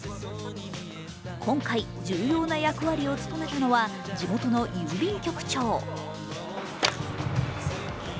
今回、重要な役割を務めたのは地元の郵便局長。